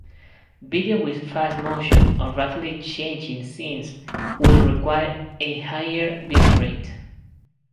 Video with fast motion or rapidly changing scenes will require a higher bit rate.